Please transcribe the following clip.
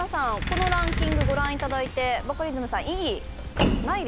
このランキングご覧いただいてバカリズムさん